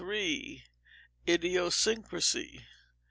Idiosyncrasy.